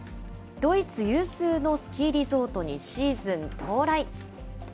ドイツ有数のスキーリゾートにシーズン到来。